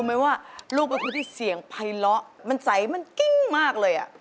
มันใสมันกิ้งมากเลย